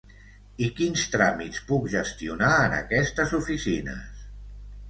I quins tràmits puc gestionar en aquestes oficines?